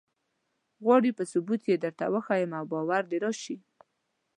غواړې په ثبوت یې درته وښیم او باور دې راشي.